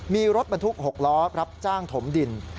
มีรถบรรทุก๖ล้อรับจ้างถมดิน